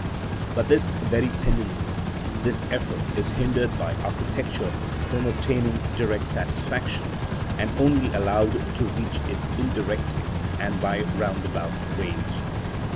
But this very tendency, this effort, is hindered by architecture from obtaining direct satisfaction, and only allowed to reach it indirectly and by roundabout ways.